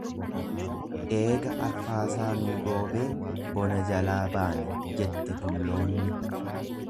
Eega arfaasaa nuu roobee bona jalaa baane, jette dulloonni.